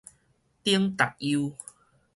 頂塔悠